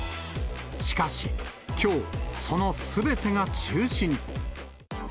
しかし、きょう、そのすべてが中止に。